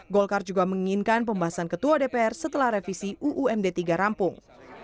golkar juga menginginkan pembahasan ketua dpr setelah revisi uumd tiga rampung